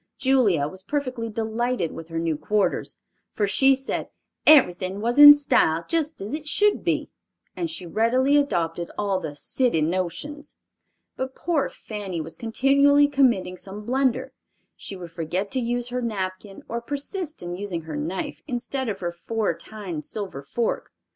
Julia was perfectly delighted with her new quarters, for she said "everything was in style, just as it should be," and she readily adopted all the "city notions." But poor Fanny was continually committing some blunder. She would forget to use her napkin, or persist in using her knife instead of her four tined silver fork.